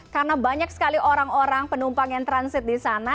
karena banyak sekali orang orang penumpang yang transit disana